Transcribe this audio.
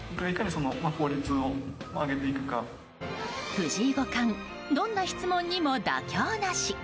藤井五冠どんな質問にも妥協なし。